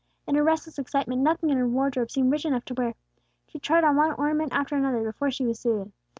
In her restless excitement nothing in her wardrobe seemed rich enough to wear. She tried on one ornament after another before she was suited.